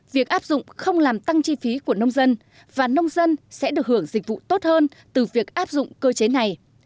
việc áp dụng không làm tăng chi phí của nông dân và nông dân sẽ được hưởng dịch vụ tốt hơn từ việc áp dụng cơ chế này